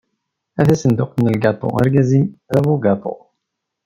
A tasenduqt n lgaṭu, argaz-im d abugaṭu.